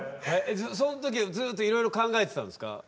その時はずっといろいろ考えてたんですか？